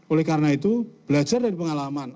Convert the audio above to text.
oleh karena itu belajar dari pengalaman